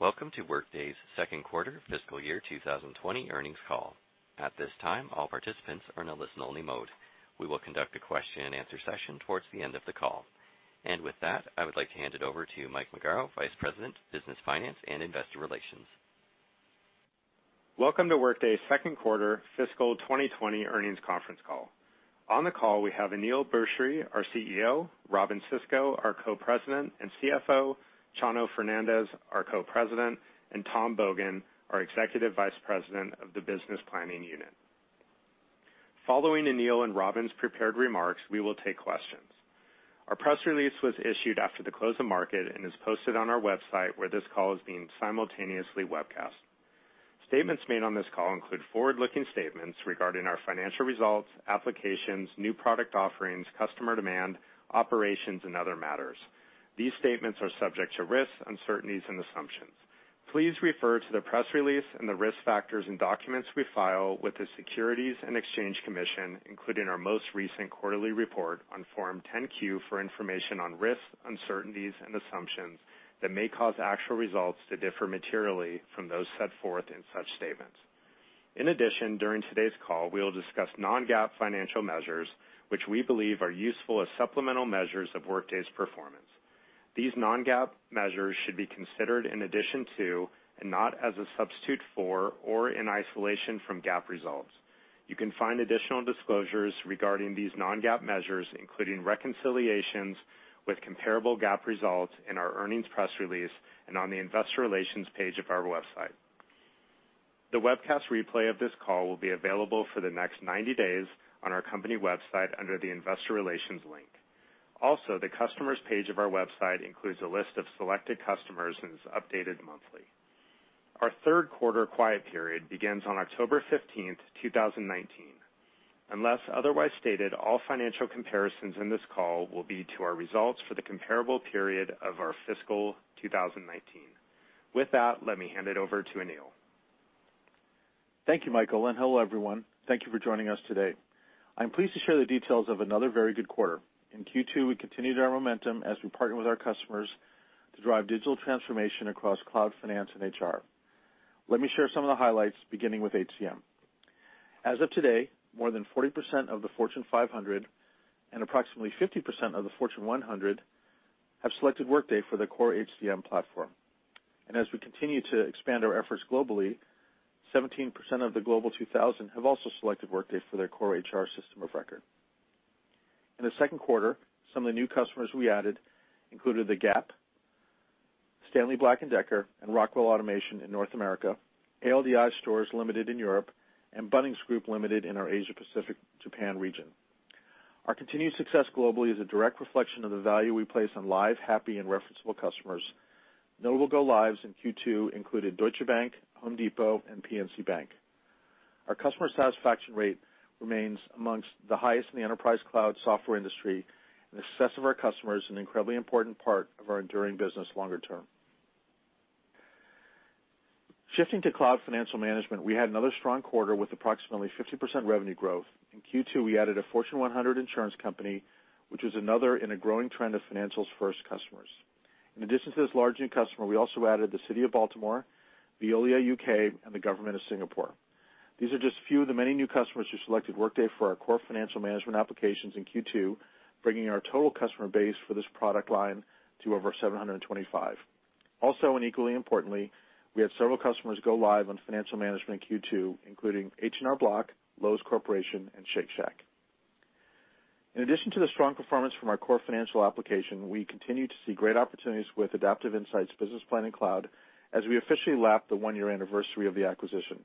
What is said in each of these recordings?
Welcome to Workday's second quarter fiscal year 2020 earnings call. At this time, all participants are in a listen only mode. We will conduct a question and answer session towards the end of the call. With that, I would like to hand it over to Mike McGarvey, Vice President, Business Finance and Investor Relations. Welcome to Workday's second quarter fiscal 2020 earnings conference call. On the call, we have Aneel Bhusri, our CEO, Robynne Sisco, our Co-President and CFO, Chano Fernandez, our Co-President, and Tom Bogan, our Executive Vice President of the Business Planning unit. Following Aneel and Robynne's prepared remarks, we will take questions. Our press release was issued after the close of market and is posted on our website where this call is being simultaneously webcast. Statements made on this call include forward-looking statements regarding our financial results, applications, new product offerings, customer demand, operations, and other matters. These statements are subject to risks, uncertainties, and assumptions. Please refer to the press release and the risk factors and documents we file with the Securities and Exchange Commission, including our most recent quarterly report on Form 10-Q, for information on risks, uncertainties, and assumptions that may cause actual results to differ materially from those set forth in such statements. In addition, during today's call, we will discuss non-GAAP financial measures which we believe are useful as supplemental measures of Workday's performance. These non-GAAP measures should be considered in addition to, and not as a substitute for or in isolation from GAAP results. You can find additional disclosures regarding these non-GAAP measures, including reconciliations with comparable GAAP results in our earnings press release and on the investor relations page of our website. The webcast replay of this call will be available for the next 90 days on our company website under the investor relations link. Also, the customers page of our website includes a list of selected customers and is updated monthly. Our third quarter quiet period begins on October 15th, 2019. Unless otherwise stated, all financial comparisons in this call will be to our results for the comparable period of our fiscal 2019. With that, let me hand it over to Aneel. Thank you, Michael, and hello, everyone. Thank you for joining us today. I'm pleased to share the details of another very good quarter. In Q2, we continued our momentum as we partner with our customers to drive digital transformation across cloud finance and HR. Let me share some of the highlights, beginning with HCM. As of today, more than 40% of the Fortune 500 and approximately 50% of the Fortune 100 have selected Workday for their core HCM platform. As we continue to expand our efforts globally, 17% of the Global 2000 have also selected Workday for their core HR system of record. In the second quarter, some of the new customers we added included The Gap, Stanley Black & Decker, and Rockwell Automation in North America, ALDI Stores Limited in Europe, and Bunnings Group Limited in our Asia Pacific, Japan region. Our continued success globally is a direct reflection of the value we place on live, happy, and referenceable customers. Notable go-lives in Q2 included Deutsche Bank, Home Depot, and PNC Bank. Our customer satisfaction rate remains amongst the highest in the enterprise cloud software industry, and the success of our customers is an incredibly important part of our enduring business longer term. Shifting to cloud financial management, we had another strong quarter with approximately 50% revenue growth. In Q2, we added a Fortune 100 insurance company, which was another in a growing trend of financials-first customers. In addition to this large new customer, we also added the City of Baltimore, Veolia UK, and the government of Singapore. These are just a few of the many new customers who selected Workday for our core financial management applications in Q2, bringing our total customer base for this product line to over 725. Also, equally importantly, we had several customers go live on financial management in Q2, including H&R Block, Lowe's Corporation, and Shake Shack. In addition to the strong performance from our core financial application, we continue to see great opportunities with Adaptive Insights Business Planning Cloud as we officially lap the one-year anniversary of the acquisition.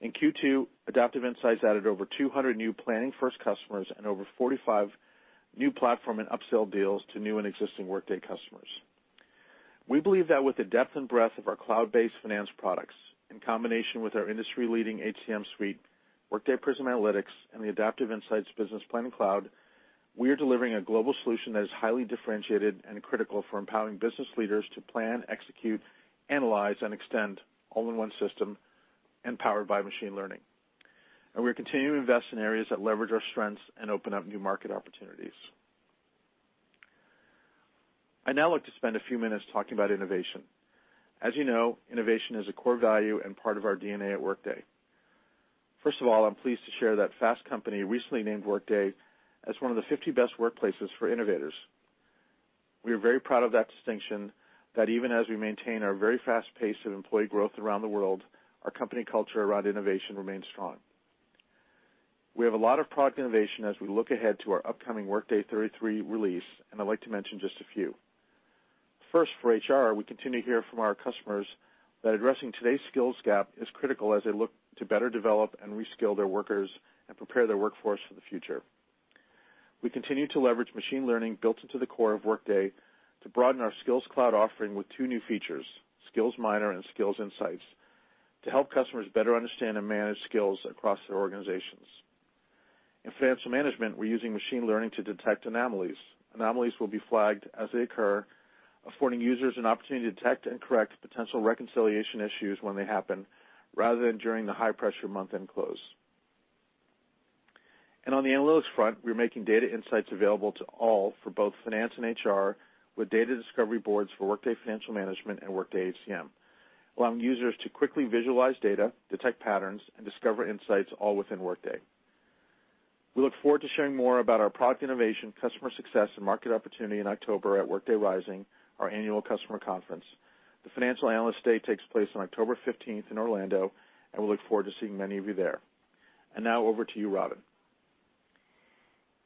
In Q2, Adaptive Insights added over 200 new planning first customers and over 45 new platform and upsell deals to new and existing Workday customers. We believe that with the depth and breadth of our cloud-based finance products, in combination with our industry-leading HCM suite, Workday Prism Analytics, and the Adaptive Insights Business Planning Cloud, we are delivering a global solution that is highly differentiated and critical for empowering business leaders to plan, execute, analyze, and extend all in one system and powered by machine learning. We are continuing to invest in areas that leverage our strengths and open up new market opportunities. I now look to spend a few minutes talking about innovation. As you know, innovation is a core value and part of our DNA at Workday. First of all, I'm pleased to share that Fast Company recently named Workday as one of the 50 best workplaces for innovators. We are very proud of that distinction that even as we maintain our very fast pace of employee growth around the world, our company culture around innovation remains strong. We have a lot of product innovation as we look ahead to our upcoming Workday 33 release, and I'd like to mention just a few. For HR, we continue to hear from our customers that addressing today's skills gap is critical as they look to better develop and reskill their workers and prepare their workforce for the future. We continue to leverage machine learning built into the core of Workday to broaden our Skills Cloud offering with two new features, Skills Miner and Skills Insights, to help customers better understand and manage skills across their organizations. In Financial Management, we're using machine learning to detect anomalies. Anomalies will be flagged as they occur, affording users an opportunity to detect and correct potential reconciliation issues when they happen, rather than during the high-pressure month-end close. On the analytics front, we're making data insights available to all for both finance and HR, with data discovery boards for Workday Financial Management and Workday HCM, allowing users to quickly visualize data, detect patterns, and discover insights all within Workday. We look forward to sharing more about our product innovation, customer success, and market opportunity in October at Workday Rising, our annual customer conference. The Financial Analyst Day takes place on October 15th in Orlando, and we look forward to seeing many of you there. Now over to you, Robynne.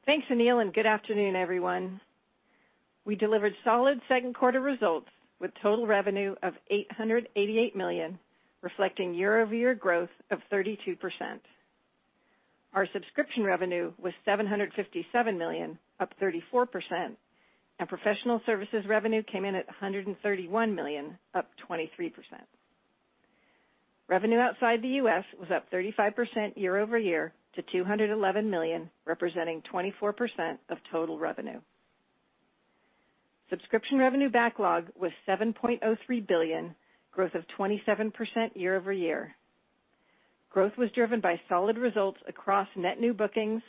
Thanks, Aneel, and good afternoon, everyone. We delivered solid second quarter results with total revenue of $888 million, reflecting year-over-year growth of 32%. Our subscription revenue was $757 million, up 34%, and professional services revenue came in at $131 million, up 23%. Revenue outside the U.S. was up 35% year-over-year to $211 million, representing 24% of total revenue. Subscription revenue backlog was $7.03 billion, growth of 27% year-over-year. Growth was driven by solid results across net new bookings,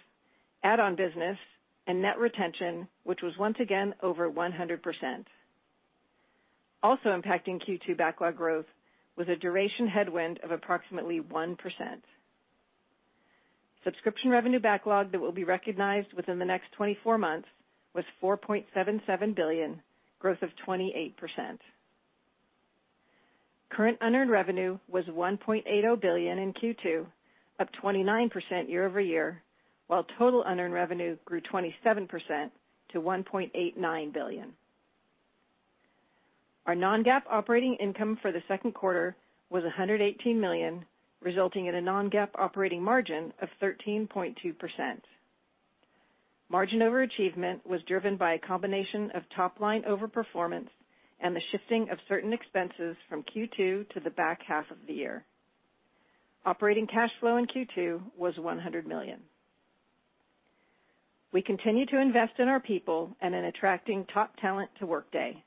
add-on business, and net retention, which was once again over 100%. Also impacting Q2 backlog growth was a duration headwind of approximately 1%. Subscription revenue backlog that will be recognized within the next 24 months was $4.77 billion, growth of 28%. Current unearned revenue was $1.80 billion in Q2, up 29% year-over-year, while total unearned revenue grew 27% to $1.89 billion. Our non-GAAP operating income for the second quarter was $118 million, resulting in a non-GAAP operating margin of 13.2%. Margin overachievement was driven by a combination of top-line overperformance and the shifting of certain expenses from Q2 to the back half of the year. Operating cash flow in Q2 was $100 million. We continue to invest in our people and in attracting top talent to Workday.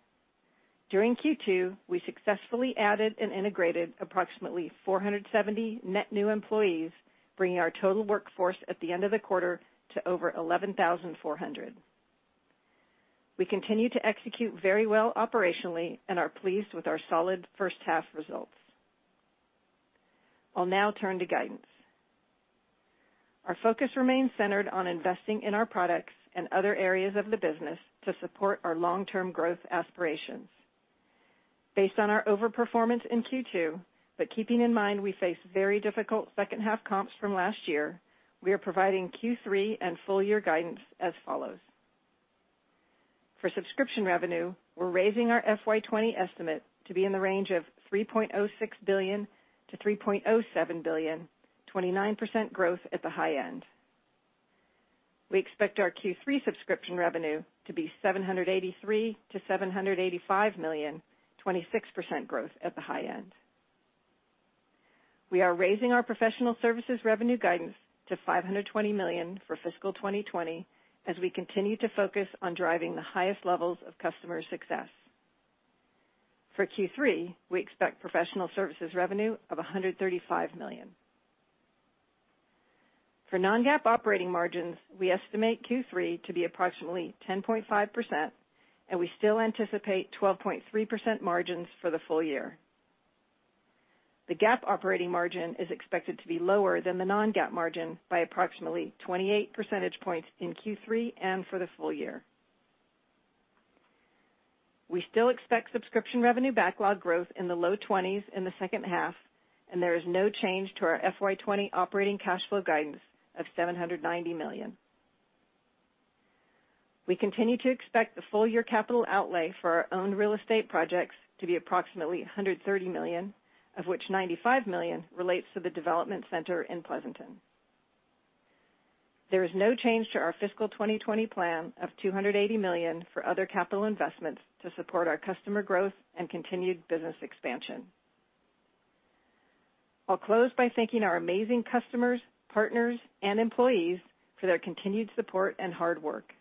During Q2, we successfully added and integrated approximately 470 net new employees, bringing our total workforce at the end of the quarter to over 11,400. We continue to execute very well operationally and are pleased with our solid first half results. I'll now turn to guidance. Our focus remains centered on investing in our products and other areas of the business to support our long-term growth aspirations. Based on our overperformance in Q2, keeping in mind we face very difficult second half comps from last year, we are providing Q3 and full year guidance as follows. For subscription revenue, we're raising our FY 2020 estimate to be in the range of $3.06 billion-$3.07 billion, 29% growth at the high end. We expect our Q3 subscription revenue to be $783 million-$785 million, 26% growth at the high end. We are raising our professional services revenue guidance to $520 million for fiscal 2020 as we continue to focus on driving the highest levels of customer success. For Q3, we expect professional services revenue of $135 million. For non-GAAP operating margins, we estimate Q3 to be approximately 10.5%, and we still anticipate 12.3% margins for the full year. The GAAP operating margin is expected to be lower than the non-GAAP margin by approximately 28 percentage points in Q3 and for the full year. We still expect subscription revenue backlog growth in the low 20s in the second half, and there is no change to our FY 2020 operating cash flow guidance of $790 million. We continue to expect the full year capital outlay for our own real estate projects to be approximately $130 million, of which $95 million relates to the development center in Pleasanton. There is no change to our fiscal 2020 plan of $280 million for other capital investments to support our customer growth and continued business expansion. I'll close by thanking our amazing customers, partners, and employees for their continued support and hard work.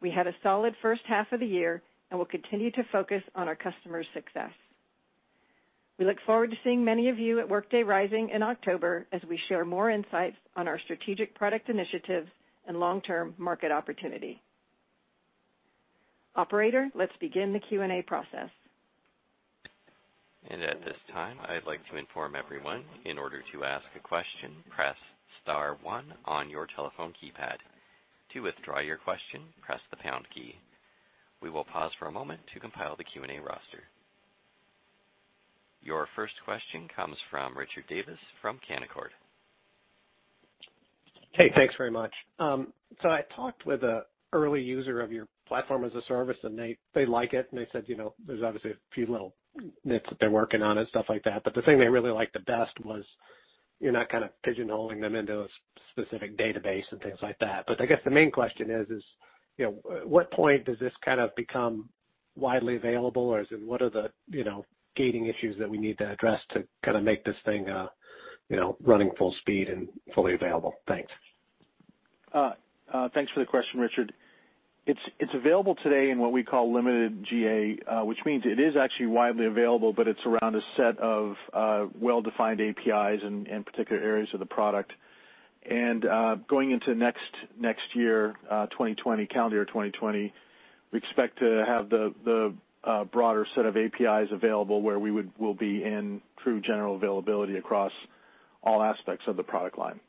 We had a solid first half of the year and will continue to focus on our customers' success. We look forward to seeing many of you at Workday Rising in October as we share more insights on our strategic product initiatives and long-term market opportunity. Operator, let's begin the Q&A process. At this time, I'd like to inform everyone, in order to ask a question, press star one on your telephone keypad. To withdraw your question, press the pound key. We will pause for a moment to compile the Q&A roster. Your first question comes from Richard Davis from Canaccord. Hey, thanks very much. I talked with an early user of your platform as a service, and they like it, and they said there's obviously a few little nits that they're working on and stuff like that. The thing they really liked the best was you're not kind of pigeonholing them into a specific database and things like that. I guess the main question is, at what point does this kind of become widely available? What are the gating issues that we need to address to kind of make this thing running full speed and fully available? Thanks. Thanks for the question, Richard. It's available today in what we call limited GA, which means it is actually widely available, but it's around a set of well-defined APIs in particular areas of the product. Going into next year, 2020, calendar year 2020, we expect to have the broader set of APIs available where we'll be in true general availability across all aspects of the product line.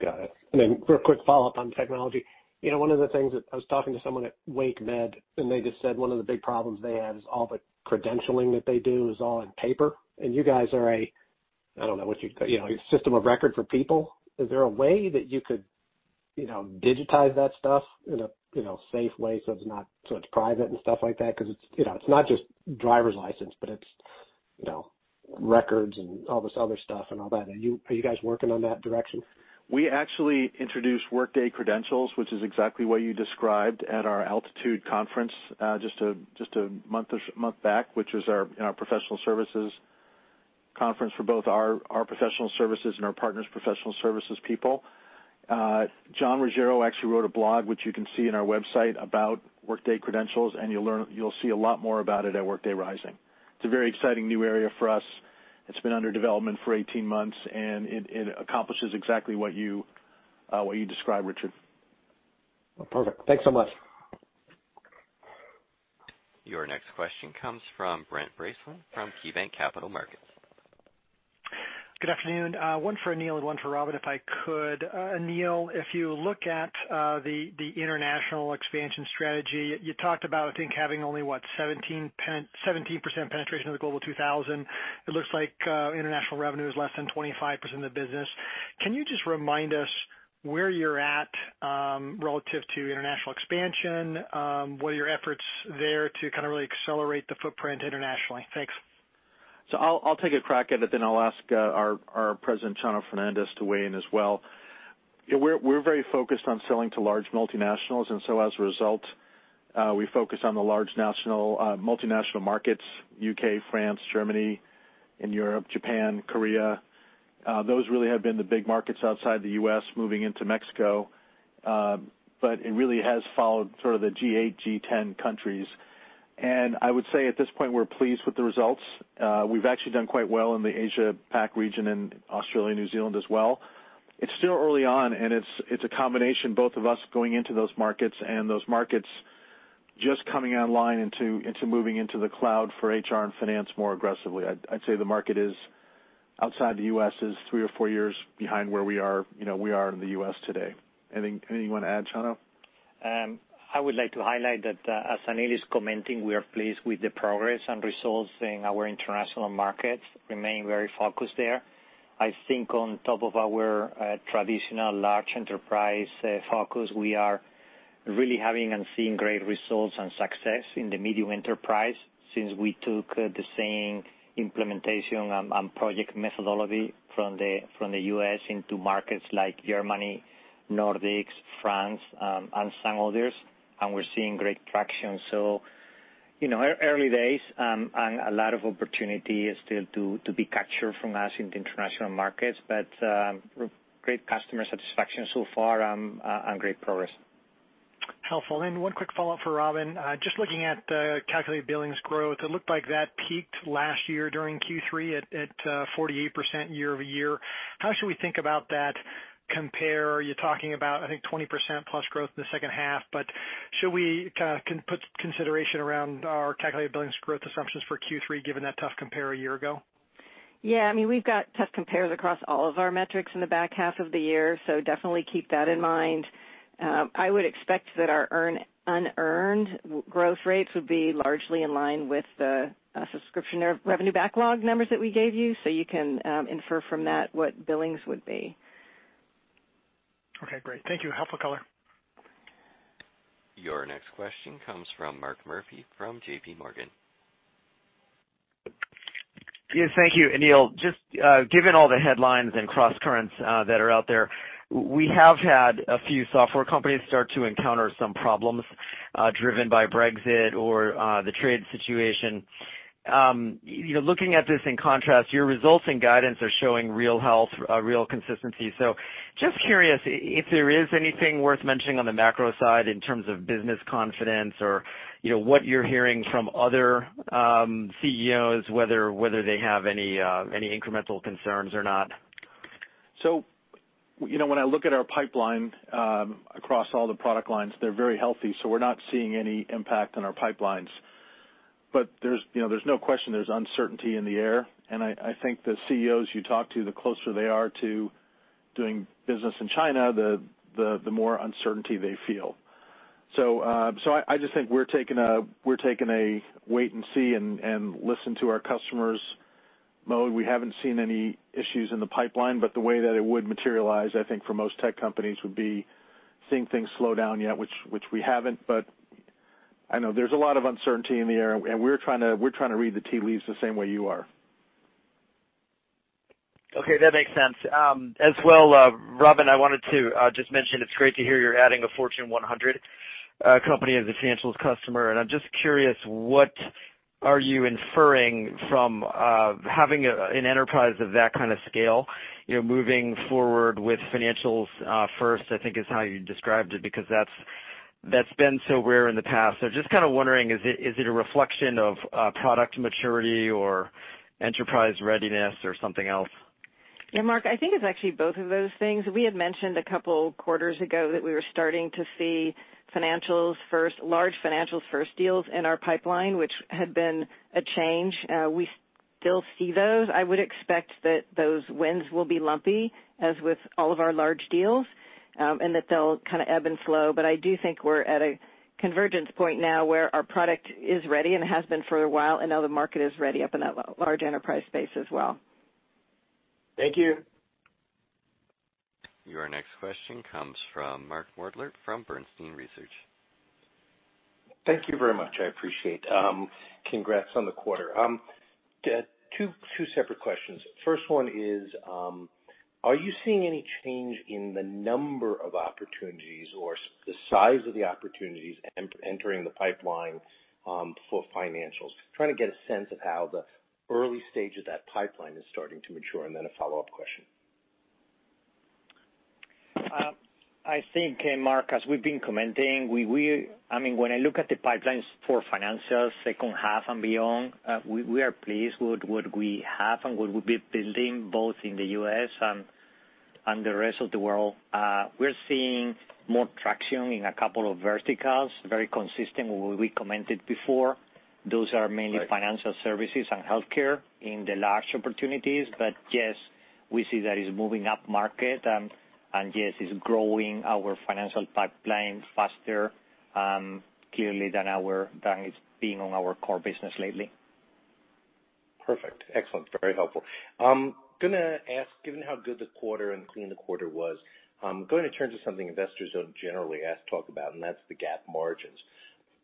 Got it. Real quick follow-up on technology. One of the things that I was talking to someone at WakeMed, and they just said one of the big problems they have is all the credentialing that they do is all on paper, and you guys are a, I don't know, what you'd call, a system of record for people. Is there a way that you could digitize that stuff in a safe way so it's private and stuff like that? It's not just driver's license, but it's records and all this other stuff and all that. Are you guys working on that direction? We actually introduced Workday Credentials, which is exactly what you described, at our Altitude conference just one month back, which is our professional services conference for both our professional services and our partners' professional services people. Jon Ruggiero actually wrote a blog, which you can see on our website, about Workday Credentials. You'll see a lot more about it at Workday Rising. It's a very exciting new area for us. It's been under development for 18 months, and it accomplishes exactly what you described, Richard. Perfect. Thanks so much. Your next question comes from Brent Bracelin from KeyBanc Capital Markets. Good afternoon. One for Aneel and one for Robynne, if I could. Aneel, if you look at the international expansion strategy, you talked about, I think, having only, what, 17% penetration of the Global 2000. It looks like international revenue is less than 25% of the business. Can you just remind us where you're at relative to international expansion? What are your efforts there to really accelerate the footprint internationally? Thanks. I'll take a crack at it, then I'll ask our president, Chano Fernandez, to weigh in as well. We're very focused on selling to large multinationals, as a result, we focus on the large multinational markets, U.K., France, Germany, in Europe, Japan, Korea. Those really have been the big markets outside the U.S., moving into Mexico. It really has followed sort of the G8, G10 countries. I would say at this point, we're pleased with the results. We've actually done quite well in the Asia Pac region and Australia, New Zealand as well. It's still early on, and it's a combination both of us going into those markets and those markets just coming online into moving into the cloud for HR and finance more aggressively. I'd say the market outside the U.S. is three or four years behind where we are in the U.S. today. Anything you want to add, Chano? I would like to highlight that, as Aneel is commenting, we are pleased with the progress and results in our international markets, remain very focused there. I think on top of our traditional large enterprise focus, we are really having and seeing great results and success in the medium enterprise since we took the same implementation and project methodology from the U.S. into markets like Germany, Nordics, France, and some others, and we're seeing great traction. Early days, and a lot of opportunity is still to be captured from us in the international markets. Great customer satisfaction so far, and great progress. Helpful. One quick follow-up for Robyn. Just looking at the calculated billings growth, it looked like that peaked last year during Q3 at 48% year-over-year. How should we think about that compare? You're talking about, I think, 20% plus growth in the second half, but should we put consideration around our calculated billings growth assumptions for Q3 given that tough compare a year ago? Yeah, we've got tough compares across all of our metrics in the back half of the year, so definitely keep that in mind. I would expect that our unearned growth rates would be largely in line with the subscription revenue backlog numbers that we gave you, so you can infer from that what billings would be. Okay, great. Thank you. Helpful color. Your next question comes from Mark Murphy from JPMorgan. Yes, thank you. Aneel, just given all the headlines and crosscurrents that are out there, we have had a few software companies start to encounter some problems driven by Brexit or the trade situation. Looking at this in contrast, your results and guidance are showing real health, real consistency. Just curious if there is anything worth mentioning on the macro side in terms of business confidence or what you're hearing from other CEOs, whether they have any incremental concerns or not. When I look at our pipeline across all the product lines, they're very healthy, so we're not seeing any impact on our pipelines. There's no question there's uncertainty in the air, and I think the CEOs you talk to, the closer they are to doing business in China, the more uncertainty they feel. I just think we're taking a wait-and-see and listen to our customers mode. We haven't seen any issues in the pipeline, but the way that it would materialize, I think, for most tech companies would be seeing things slow down yet, which we haven't, but I know there's a lot of uncertainty in the air, and we're trying to read the tea leaves the same way you are. Okay. That makes sense. As well, Robyn, I wanted to just mention it's great to hear you're adding a Fortune 100 company as a financials customer. I'm just curious, what are you inferring from having an enterprise of that kind of scale? Moving forward with financials first, I think, is how you described it, because that's been so rare in the past. Just kind of wondering, is it a reflection of product maturity or enterprise readiness or something else? Yeah, Mark, I think it's actually both of those things. We had mentioned a couple quarters ago that we were starting to see large financials first deals in our pipeline, which had been a change. We still see those. I would expect that those wins will be lumpy, as with all of our large deals, and that they'll kind of ebb and flow. I do think we're at a convergence point now where our product is ready and has been for a while, and now the market is ready up in that large enterprise space as well. Thank you. Your next question comes from Mark Moerdler from Bernstein Research. Thank you very much. I appreciate. Congrats on the quarter. Two separate questions. First one is, are you seeing any change in the number of opportunities or the size of the opportunities entering the pipeline for financials? Trying to get a sense of how the early stage of that pipeline is starting to mature, and then a follow-up question. I think, Mark, as we've been commenting, when I look at the pipelines for financials second half and beyond, we are pleased with what we have and what we'll be building both in the U.S. and the rest of the world. We're seeing more traction in a couple of verticals, very consistent with what we commented before. Those are mainly financial services and healthcare in the large opportunities. Yes, we see that it's moving up market, and yes, it's growing our financial pipeline faster, clearly than it's been on our core business lately. Perfect. Excellent. Very helpful. I'm going to ask, given how good the quarter and clean the quarter was, I'm going to turn to something investors don't generally talk about, and that's the GAAP margins.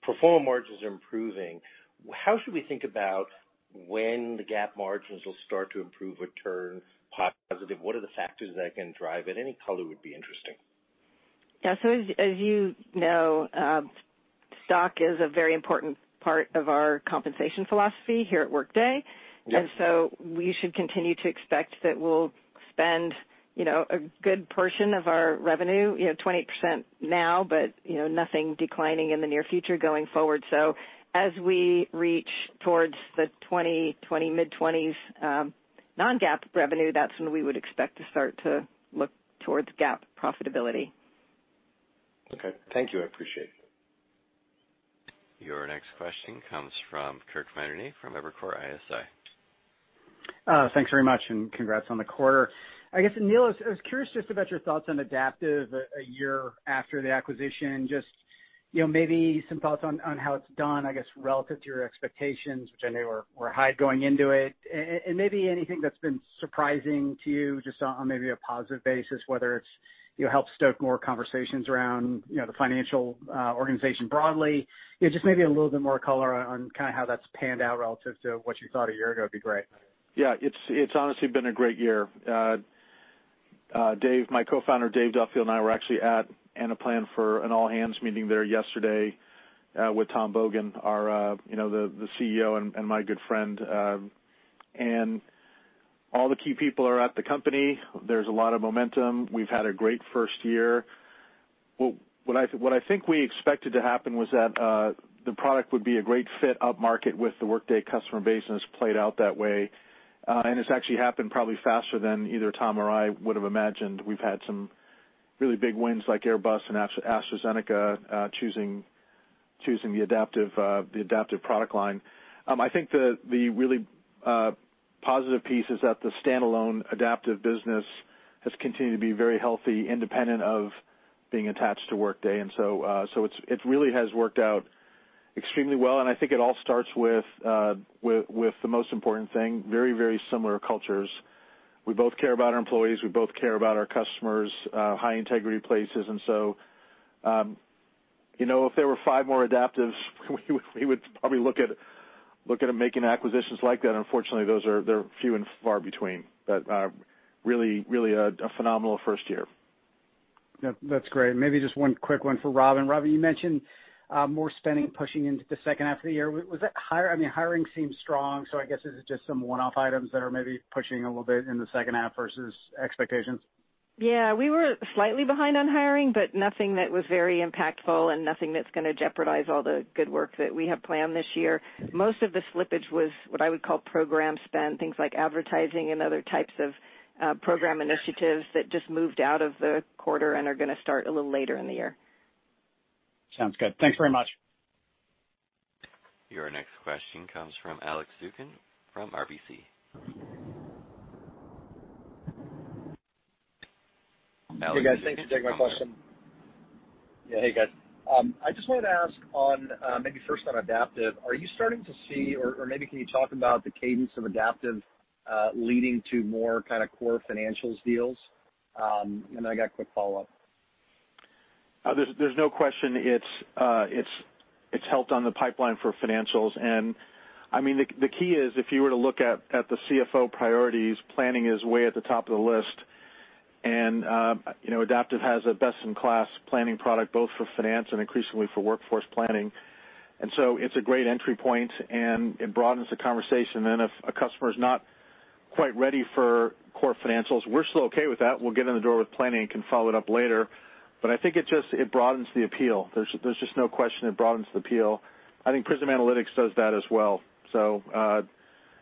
Pro forma margins are improving. How should we think about when the GAAP margins will start to improve or turn positive? What are the factors that can drive it? Any color would be interesting. Yeah. As you know, stock is a very important part of our compensation philosophy here at Workday. Yeah. We should continue to expect that we'll spend a good portion of our revenue, 28% now, but nothing declining in the near future going forward. As we reach towards the 2020 mid-20s non-GAAP revenue, that's when we would expect to start to look towards GAAP profitability. Okay. Thank you. I appreciate it. Your next question comes from Kirk Materne from Evercore ISI. Thanks very much. Congrats on the quarter. I guess, Aneel, I was curious just about your thoughts on Adaptive a year after the acquisition, just maybe some thoughts on how it's done, I guess, relative to your expectations, which I know were high going into it. Maybe anything that's been surprising to you just on maybe a positive basis, whether it's helped stoke more conversations around the financial organization broadly. Just maybe a little bit more color on kind of how that's panned out relative to what you thought a year ago would be great. Yeah. It's honestly been a great year. My co-founder, Dave Duffield, and I were actually at Adaptive Insights for an all-hands meeting there yesterday with Tom Bogan, the CEO and my good friend. All the key people are at the company. There's a lot of momentum. We've had a great first year. What I think we expected to happen was that the product would be a great fit upmarket with the Workday customer base, and it's played out that way. It's actually happened probably faster than either Tom or I would've imagined. We've had some really big wins like Airbus and AstraZeneca choosing the Adaptive product line. I think the really positive piece is that the standalone Adaptive business has continued to be very healthy, independent of being attached to Workday. It really has worked out extremely well. I think it all starts with the most important thing, very similar cultures. We both care about our employees. We both care about our customers, high-integrity places. If there were five more Adaptives, we would probably look at making acquisitions like that. Unfortunately, they're few and far between. Really a phenomenal first year. That's great. Maybe just one quick one for Robynne. Robynne, you mentioned more spending pushing into the second half of the year. Hiring seems strong. I guess this is just some one-off items that are maybe pushing a little bit in the second half versus expectations. Yeah. We were slightly behind on hiring, but nothing that was very impactful and nothing that's going to jeopardize all the good work that we have planned this year. Most of the slippage was what I would call program spend, things like advertising and other types of program initiatives that just moved out of the quarter and are going to start a little later in the year. Sounds good. Thanks very much. Your next question comes from Alex Zukin from RBC. Hey, guys. Thanks for taking my question. Yeah. Hey, guys. I just wanted to ask on, maybe first on Adaptive, are you starting to see, or maybe can you talk about the cadence of Adaptive leading to more kind of core Financials deals? I got a quick follow-up. There's no question it's helped on the pipeline for financials. The key is, if you were to look at the CFO priorities, planning is way at the top of the list. Adaptive has a best-in-class planning product, both for finance and increasingly for workforce planning. It's a great entry point, and it broadens the conversation. If a customer is not quite ready for core financials, we're still okay with that. We'll get in the door with planning and can follow it up later. I think it broadens the appeal. There's just no question it broadens the appeal. I think Prism Analytics does that as well.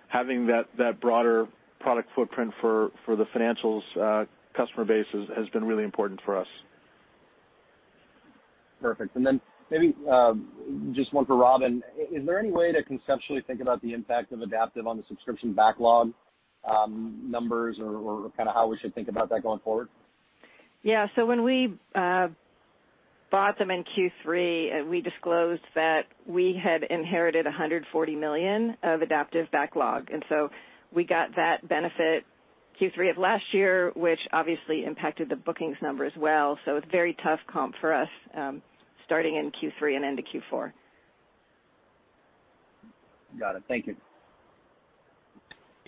Having that broader product footprint for the financials customer base has been really important for us. Perfect. Maybe just one for Robyn. Is there any way to conceptually think about the impact of Adaptive on the subscription backlog numbers or how we should think about that going forward? Yeah. When we bought them in Q3, we disclosed that we had inherited $140 million of Adaptive backlog, and so we got that benefit Q3 of last year, which obviously impacted the bookings number as well. It's very tough comp for us, starting in Q3 and into Q4. Got it. Thank you.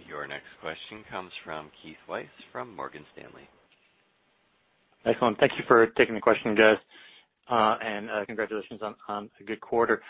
Your next question comes from Keith Weiss, from Morgan Stanley. Excellent. Thank you for taking the question, guys. Congratulations on a good quarter.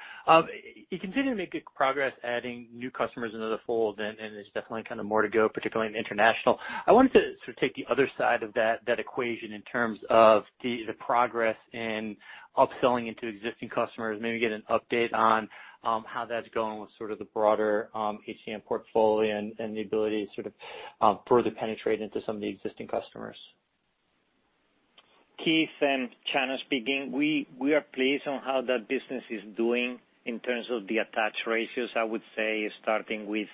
You continue to make good progress adding new customers into the fold, and there's definitely more to go, particularly in international. I wanted to take the other side of that equation in terms of the progress in upselling into existing customers, maybe get an update on how that's going with the broader HCM portfolio and the ability to further penetrate into some of the existing customers. Keith, Chano speaking. We are pleased on how that business is doing in terms of the attach ratios. I would say starting with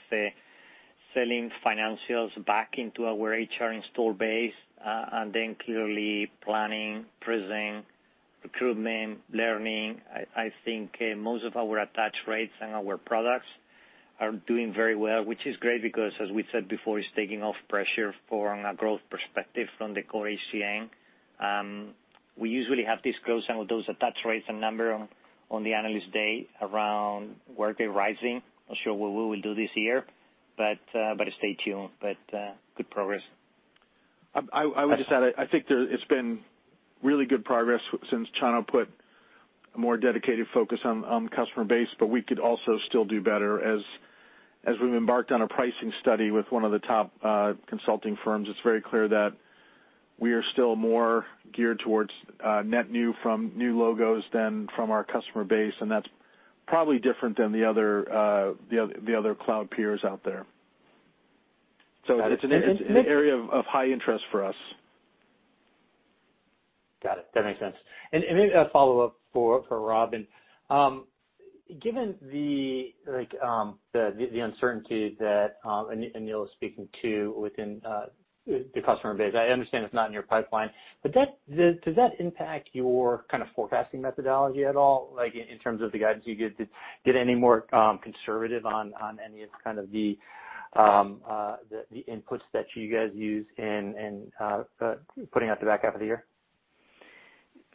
selling financials back into our HR install base, and then clearly planning, pricing, recruitment, learning. I think most of our attach rates and our products are doing very well, which is great because as we said before, it's taking off pressure from a growth perspective from the core HCM. We usually have disclosed some of those attach rates and number on the Analyst Day around Workday Rising. Not sure what we will do this year. Stay tuned. Good progress. I would just add, I think there it's been really good progress since Chano put a more dedicated focus on the customer base. We could also still do better. As we've embarked on a pricing study with one of the top consulting firms, it's very clear that we are still more geared towards net new from new logos than from our customer base, and that's probably different than the other cloud peers out there. It's an area of high interest for us. Got it. That makes sense. Maybe a follow-up for Robyn. Given the uncertainty that Aneel is speaking to within the customer base, I understand it's not in your pipeline, but does that impact your forecasting methodology at all? In terms of the guidance you give, did you get any more conservative on any of the inputs that you guys use in putting out the back half of the year?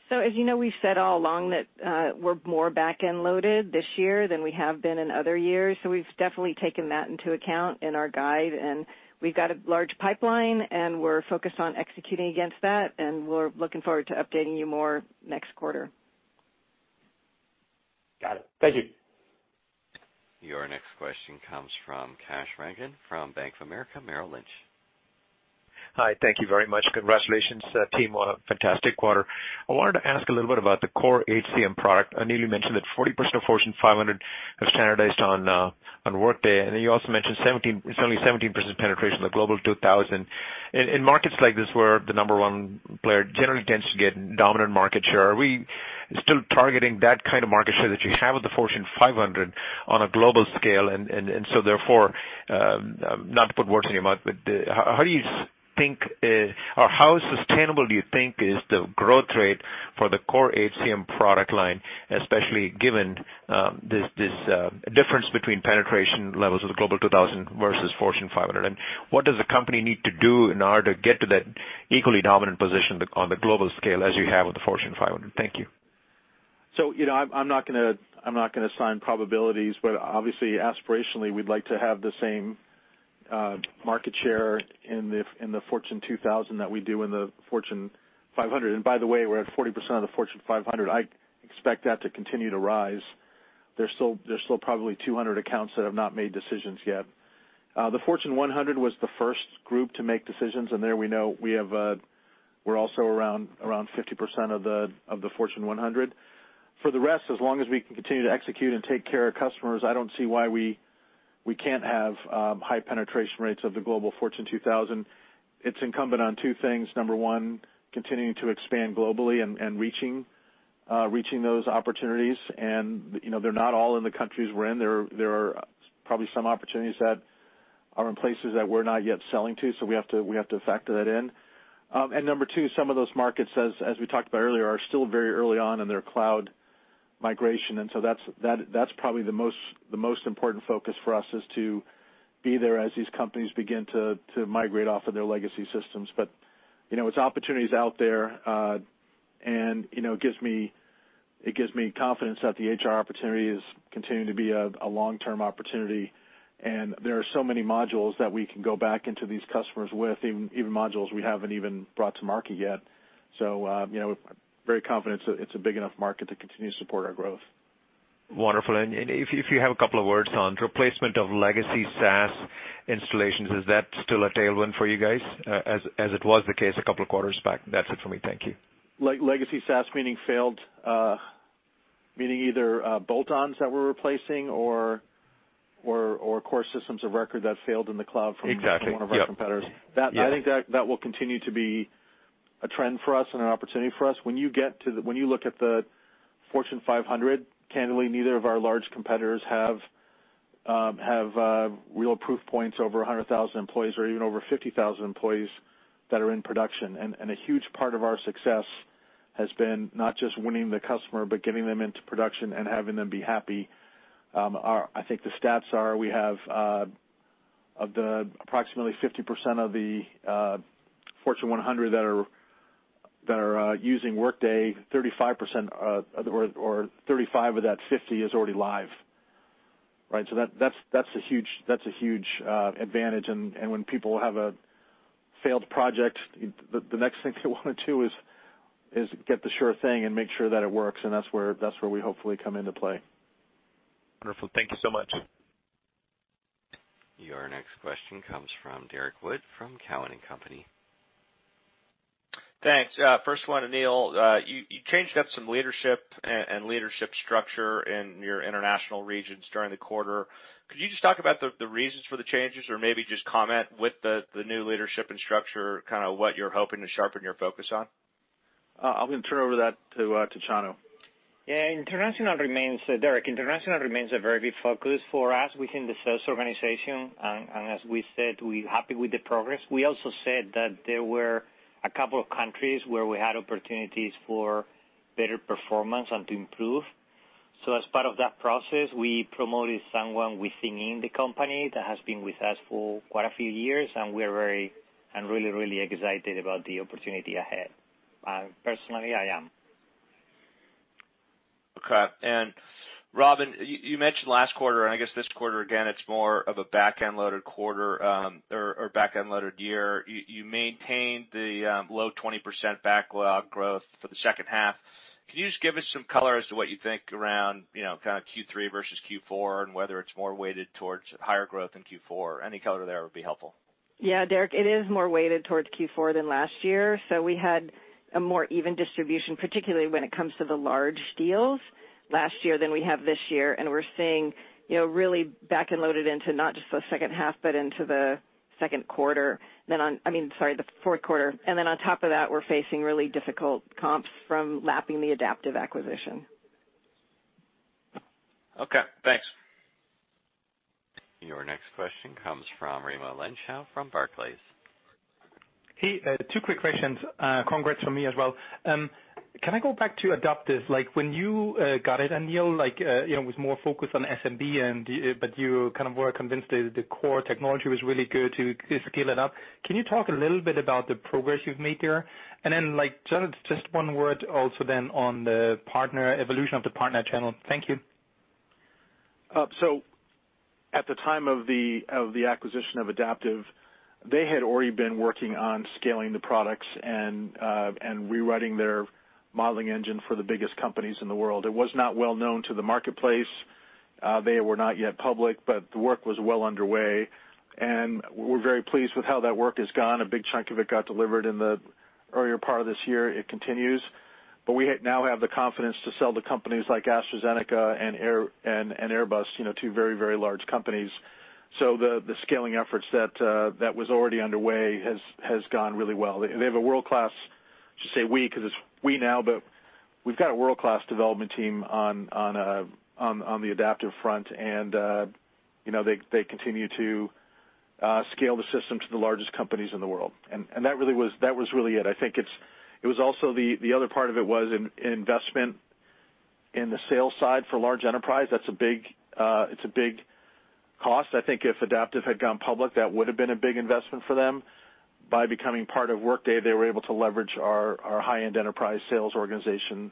As you know, we've said all along that we're more back-end loaded this year than we have been in other years, so we've definitely taken that into account in our guide, and we've got a large pipeline, and we're focused on executing against that, and we're looking forward to updating you more next quarter. Got it. Thank you. Your next question comes from Kash Rangan from Bank of America Merrill Lynch. Hi. Thank you very much. Congratulations, team, on a fantastic quarter. I wanted to ask a little bit about the core HCM product. Aneel, you mentioned that 40% of Fortune 500 have standardized on Workday, and then you also mentioned it's only 17% penetration of the Global 2000. In markets like this where the number one player generally tends to get dominant market share, are we still targeting that kind of market share that you have with the Fortune 500 on a global scale? Therefore, not to put words in your mouth, but how sustainable do you think is the growth rate for the core HCM product line, especially given this difference between penetration levels of the Global 2000 versus Fortune 500? What does the company need to do in order to get to that equally dominant position on the global scale as you have with the Fortune 500? Thank you. I'm not going to assign probabilities, Obviously aspirationally, we'd like to have the same market share in the Global 2000 that we do in the Fortune 500. By the way, we're at 40% of the Fortune 500. I expect that to continue to rise. There's still probably 200 accounts that have not made decisions yet. The Fortune 100 was the first group to make decisions, There we know we're also around 50% of the Fortune 100. For the rest, as long as we can continue to execute and take care of customers, I don't see why we can't have high penetration rates of the global Global 2000. It's incumbent on two things. Number one, continuing to expand globally and reaching those opportunities. They're not all in the countries we're in. There are probably some opportunities that are in places that we're not yet selling to, so we have to factor that in. Number two, some of those markets, as we talked about earlier, are still very early on in their cloud migration, that's probably the most important focus for us is to be there as these companies begin to migrate off of their legacy systems. It's opportunities out there, it gives me confidence that the HR opportunity is continuing to be a long-term opportunity, there are so many modules that we can go back into these customers with, even modules we haven't even brought to market yet. Very confident it's a big enough market to continue to support our growth. Wonderful. If you have a couple of words on replacement of legacy SaaS installations, is that still a tailwind for you guys as it was the case a couple of quarters back? That's it for me. Thank you. Legacy SaaS, meaning either bolt-ons that we're replacing or core systems of record that failed in the cloud from. Exactly, yep one of our competitors. Yes. I think that will continue to be a trend for us and an opportunity for us. When you look at the Fortune 500, candidly, neither of our large competitors have real proof points over 100,000 employees or even over 50,000 employees that are in production. A huge part of our success has been not just winning the customer, but getting them into production and having them be happy. I think the stats are, we have approximately 50% of the Fortune 100 that are using Workday, 35% of or 35 of that 50 is already live. Right? That's a huge advantage, and when people have a failed project, the next thing they want to do is get the sure thing and make sure that it works, and that's where we hopefully come into play. Wonderful. Thank you so much. Your next question comes from Derrick Wood from Cowen and Company. Thanks. First one, Aneel. You changed up some leadership and leadership structure in your international regions during the quarter. Could you just talk about the reasons for the changes or maybe just comment with the new leadership and structure, kind of what you're hoping to sharpen your focus on? I'm going to turn over that to Chano. Yeah. Derrick, international remains a very big focus for us within the sales organization. As we said, we're happy with the progress. We also said that there were a couple of countries where we had opportunities for better performance and to improve. As part of that process, we promoted someone within the company that has been with us for quite a few years. We're really, really excited about the opportunity ahead. Personally, I am. Okay. Robyn, you mentioned last quarter, and I guess this quarter again, it's more of a back-end loaded quarter or back-end loaded year. You maintained the low 20% backlog growth for the second half. Can you just give us some color as to what you think around Q3 versus Q4, and whether it's more weighted towards higher growth in Q4? Any color there would be helpful. Yeah, Derrick. It is more weighted towards Q4 than last year. We had a more even distribution, particularly when it comes to the large deals last year than we have this year, and we're seeing really back-end loaded into not just the second half, but into the fourth quarter. On top of that, we're facing really difficult comps from lapping the Adaptive acquisition. Okay, thanks. Your next question comes from Raimo Lenschow from Barclays. Hey. Two quick questions. Congrats from me as well. Can I go back to Adaptive? Like, when you got it, Aneel, with more focus on SMB, but you kind of were convinced that the core technology was really good to scale it up. Can you talk a little bit about the progress you've made there? Just one word also then on the evolution of the partner channel. Thank you. At the time of the acquisition of Adaptive, they had already been working on scaling the products and rewriting their modeling engine for the biggest companies in the world. It was not well known to the marketplace. They were not yet public, but the work was well underway, and we're very pleased with how that work has gone. A big chunk of it got delivered in the earlier part of this year. It continues. We now have the confidence to sell to companies like AstraZeneca and Airbus, two very, very large companies. The scaling efforts that was already underway has gone really well. They have a world-class, I should say we because it's we now, but we've got a world-class development team on the Adaptive front, and they continue to scale the system to the largest companies in the world. That was really it. The other part of it was an investment in the sales side for large enterprise. It's a big cost. I think if Adaptive had gone public, that would have been a big investment for them. By becoming part of Workday, they were able to leverage our high-end enterprise sales organization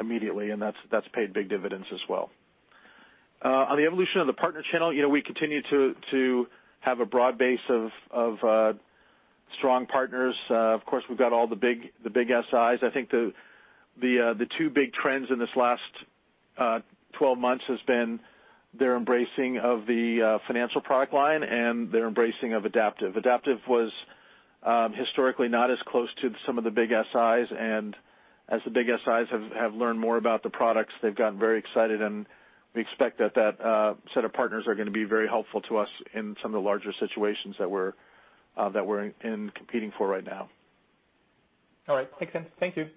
immediately, and that's paid big dividends as well. On the evolution of the partner channel, we continue to have a broad base of strong partners. Of course, we've got all the big SIs. I think the two big trends in this last 12 months has been their embracing of the financial product line and their embracing of Adaptive. Adaptive was historically not as close to some of the big SIs, and as the big SIs have learned more about the products, they've gotten very excited, and we expect that that set of partners are going to be very helpful to us in some of the larger situations that we're in competing for right now. All right. Makes sense. Thank you.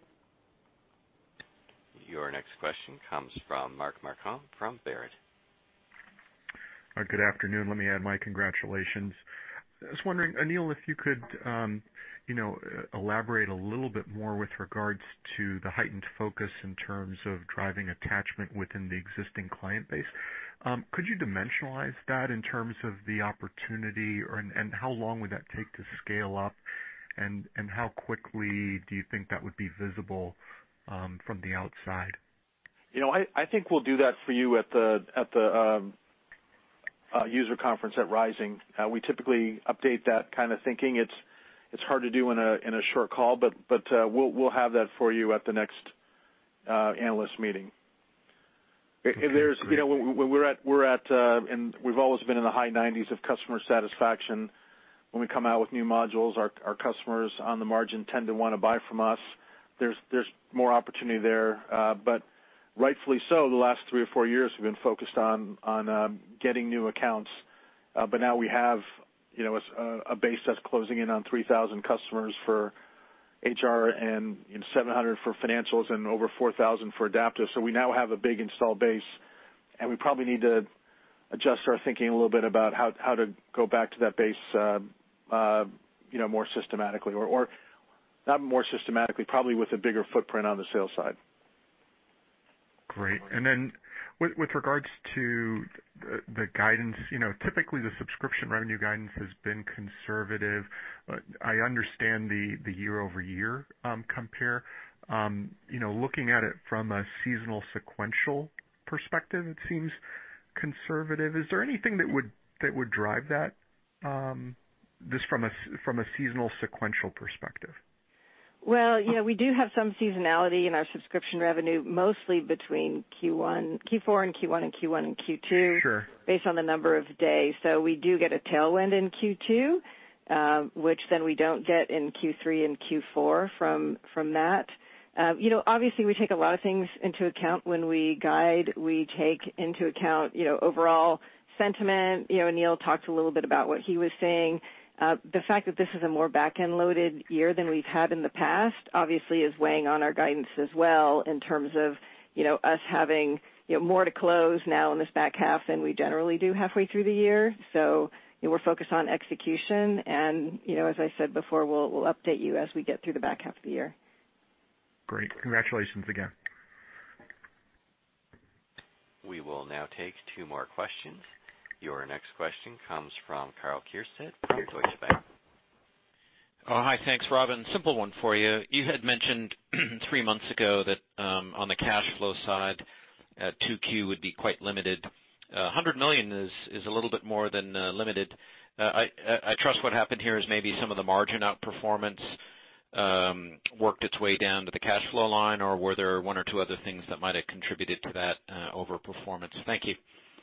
Your next question comes from Mark Marcon from Baird. Good afternoon. Let me add my congratulations. I was wondering, Aneel, if you could elaborate a little bit more with regards to the heightened focus in terms of driving attachment within the existing client base. Could you dimensionalize that in terms of the opportunity, and how long would that take to scale up? How quickly do you think that would be visible from the outside? I think we'll do that for you at the user conference at Rising. We typically update that kind of thinking. It's hard to do in a short call, but we'll have that for you at the next analyst meeting. Okay, great. We've always been in the high 90s of customer satisfaction. When we come out with new modules, our customers on the margin tend to want to buy from us. There's more opportunity there. Rightfully so, the last three or four years have been focused on getting new accounts. Now we have a base that's closing in on 3,000 customers for HR and 700 for financials and over 4,000 for Adaptive. We now have a big install base, and we probably need to adjust our thinking a little bit about how to go back to that base more systematically. Not more systematically, probably with a bigger footprint on the sales side. Great, then with regards to the guidance, typically the subscription revenue guidance has been conservative. I understand the year-over-year compare. Looking at it from a seasonal sequential perspective, it seems conservative. Is there anything that would drive that, just from a seasonal sequential perspective? Well, yeah, we do have some seasonality in our subscription revenue, mostly between Q4 and Q1, and Q1 and Q2. Sure based on the number of days. We do get a tailwind in Q2, which then we don't get in Q3 and Q4 from that. We take a lot of things into account when we guide. We take into account overall sentiment. Aneel talked a little bit about what he was saying. The fact that this is a more back-end-loaded year than we've had in the past, obviously, is weighing on our guidance as well in terms of us having more to close now in this back half than we generally do halfway through the year. We're focused on execution, and as I said before, we'll update you as we get through the back half of the year. Great. Congratulations again. We will now take two more questions. Your next question comes from Karl Keirstead, Deutsche Bank. Hi. Thanks, Robynne. Simple one for you. You had mentioned three months ago that on the cash flow side, 2Q would be quite limited. $100 million is a little bit more than limited. I trust what happened here is maybe some of the margin outperformance worked its way down to the cash flow line, or were there one or two other things that might have contributed to that overperformance? Thank you.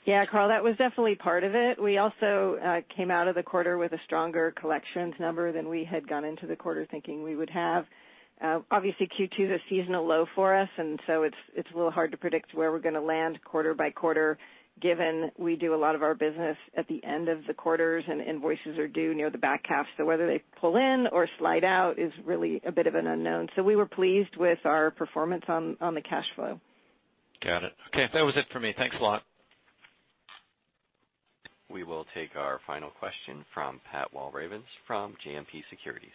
Yeah, Karl, that was definitely part of it. We also came out of the quarter with a stronger collections number than we had gone into the quarter thinking we would have. Obviously, Q2 is a seasonal low for us, and so it's a little hard to predict where we're going to land quarter by quarter, given we do a lot of our business at the end of the quarters, and invoices are due near the back half. Whether they pull in or slide out is really a bit of an unknown. We were pleased with our performance on the cash flow. Got it. Okay. That was it for me. Thanks a lot. We will take our final question from Pat Walravens from JMP Securities.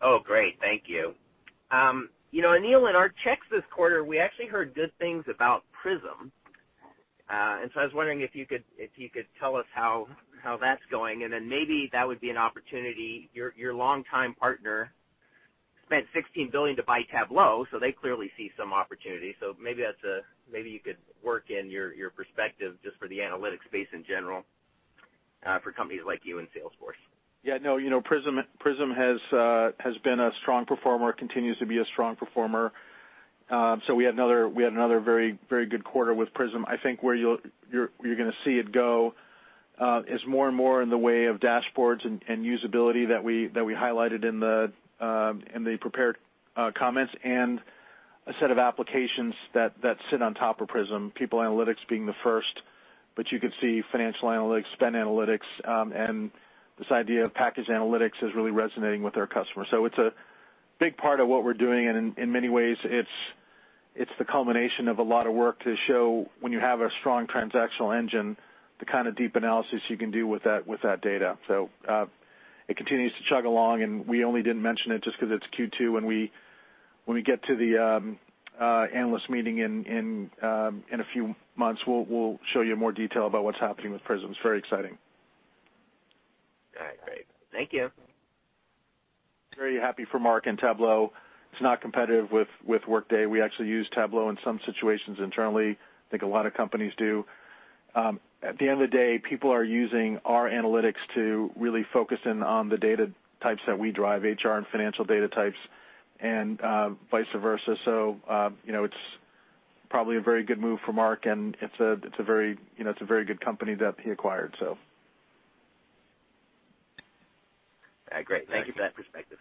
Oh, great. Thank you. Aneel, in our checks this quarter, we actually heard good things about Prism. I was wondering if you could tell us how that's going, and then maybe that would be an opportunity. Your longtime partner spent $16 billion to buy Tableau, so they clearly see some opportunity. Maybe you could work in your perspective just for the analytics space in general for companies like you and Salesforce. Yeah, no. Prism has been a strong performer, continues to be a strong performer. We had another very good quarter with Prism. I think where you're going to see it go is more and more in the way of dashboards and usability that we highlighted in the prepared comments, and a set of applications that sit on top of Prism, people analytics being the first. You could see financial analytics, spend analytics, and this idea of package analytics is really resonating with our customers. It's a big part of what we're doing, and in many ways, it's the culmination of a lot of work to show when you have a strong transactional engine, the kind of deep analysis you can do with that data. It continues to chug along, and we only didn't mention it just because it's Q2. When we get to the analyst meeting in a few months, we'll show you more detail about what's happening with Prism. It's very exciting. All right, great. Thank you. Very happy for Mark and Tableau. It's not competitive with Workday. We actually use Tableau in some situations internally. I think a lot of companies do. At the end of the day, people are using our analytics to really focus in on the data types that we drive, HR and financial data types and vice versa. It's probably a very good move for Mark, and it's a very good company that he acquired. Great. Thank you for that perspective.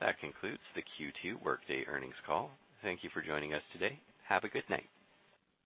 That concludes the Q2 Workday earnings call. Thank you for joining us today. Have a good night.